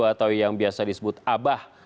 atau yang biasa disebut abah